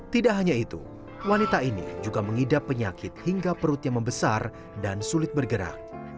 tidak hanya itu wanita ini juga mengidap penyakit hingga perutnya membesar dan sulit bergerak